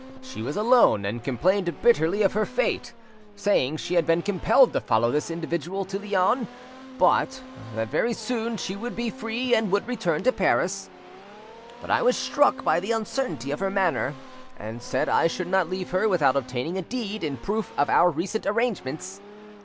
She was alone, and complained bitterly of her fate, saying she had been compelled to follow this individual to Lyons, but that very soon she would be free and would return to Paris. But I was struck by the uncertainty of her manner, and said I should not leave her without obtaining a deed in proof of our recent arrangements.